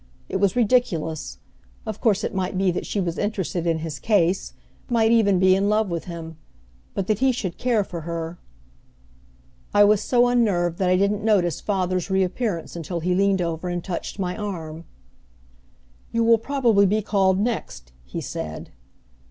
It was ridiculous! Of course it might be that she was interested in his case, might even be in love with him; but that he should care for her I was so unnerved that I didn't notice father's reappearance until he leaned over and touched my arm. "You will probably be called next," he said.